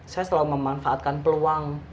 saya selalu memanfaatkan peluang